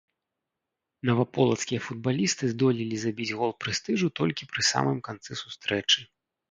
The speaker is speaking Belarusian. Наваполацкія футбалісты здолелі забіць гол прэстыжу толькі пры самым канцы сустрэчы.